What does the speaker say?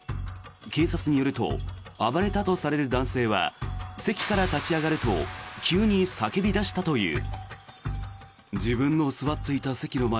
警察によると暴れたとされる男性は席から立ち上がると急に叫び出したという。